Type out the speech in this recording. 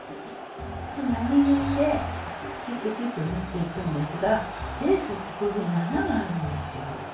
並縫いでチクチク縫っていくんですがレースってこういうふうに穴があるんですよ。